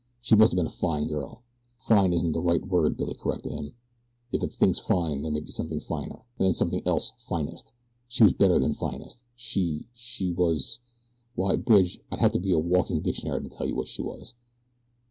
"She must have been a fine girl." "'Fine' isn't the right word," Billy corrected him. "If a thing's fine there may be something finer, and then something else finest. She was better than finest. She she was why, Bridge, I'd have to be a walking dictionary to tell you what she was."